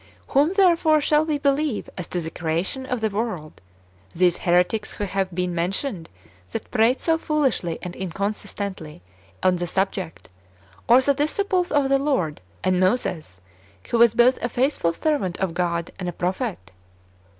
"""^ Whom, therefore, shall we believe as to the creation of the world — these heretics who have been mentioned that prate so foolishly and inconsistently on the subject, or the disciples of the Lord, and Moses, who w'as both a faithful servant of God and a prophet?